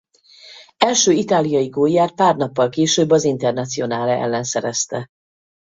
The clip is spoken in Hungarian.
Első itáliai gólját pár nappal később az Internazionale ellen szerezte.